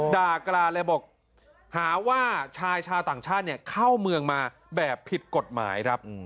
ด่ากรานเลยบอกหาว่าชายชาวต่างชาติเข้าเมืองมาแบบผิดกฎหมายครับ